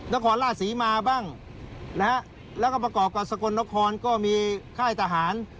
นครราชศรีมาบ้างนะฮะแล้วก็ประกอบกับสกลนครก็มีค่ายทหาร